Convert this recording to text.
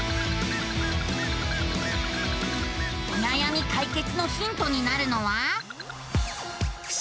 おなやみ解決のヒントになるのは。